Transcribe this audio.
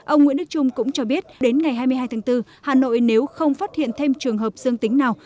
ông nguyễn đức trung cũng cho biết đến ngày hai mươi hai tháng bốn hà nội nếu không phát hiện thêm trường hợp dương tính nào